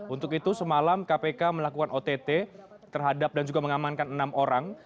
untuk itu semalam kpk melakukan ott terhadap dan juga mengamankan enam orang